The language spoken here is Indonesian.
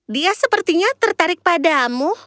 dia sepertinya tertarik padamu